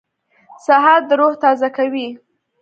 سهار د روح تازه کوي.